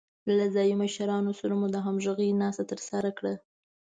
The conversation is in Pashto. له ځايي مشرانو سره مو د همغږۍ ناسته ترسره کړه.